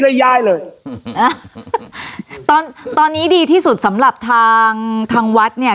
ย่ายเลยอืมอ่าตอนตอนนี้ดีที่สุดสำหรับทางทางวัดเนี่ย